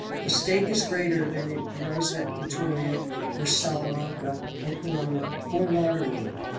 The stake is greater than it was at Vittoria, or Salamanca, or Corunna, or Waterloo.